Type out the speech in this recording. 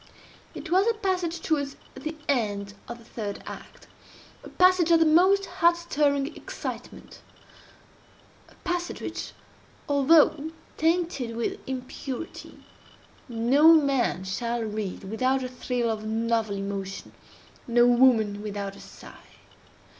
It was a passage towards the end of the third act—a passage of the most heart stirring excitement—a passage which, although tainted with impurity, no man shall read without a thrill of novel emotion—no woman without a sigh.